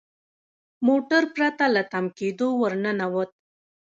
موټر پرته له تم کیدو ور ننوت.